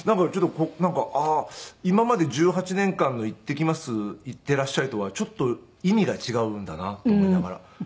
なんかああー今まで１８年間の「いってきますいってらっしゃい」とはちょっと意味が違うんだなと思いながら。